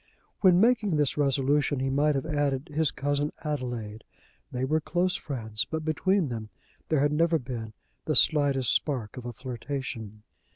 When making this resolution he might have added his cousin Adelaide. They were close friends, but between them there had never been the slightest spark of a flirtation.